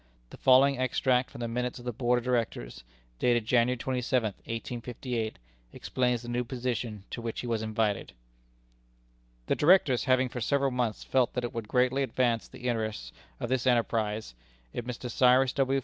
The following extract from the minutes of the Board of Directors, dated January 27, 1858, explains the new position to which he was invited: "The Directors having for several months felt that it would greatly advance the interests of this enterprise, if Mr. Cyrus W.